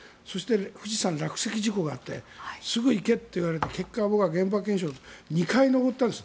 富士山落石事故があってすぐに行けって言われて結果、僕は現場検証２回登ったんです。